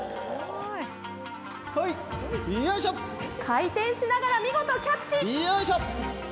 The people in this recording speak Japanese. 回転しながら見事キャッチ。